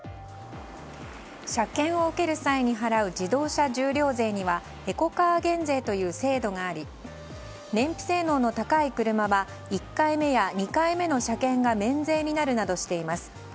車検を受ける際に払う自動車重量税にはエコカー減税という制度があり燃費性能の高い車は１回目や２回目の車検が免税になるなどしています。